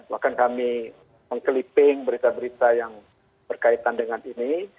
bahkan kami mengkeliping berita berita yang berkaitan dengan ini